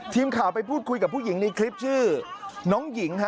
ทีมข่าวไปพูดคุยกับผู้หญิงในคลิปชื่อน้องหญิงฮะ